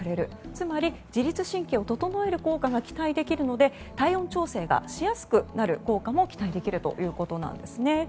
つまり自律神経を整える効果が期待できるので、体温調整がしやすくなる効果も期待できるということです。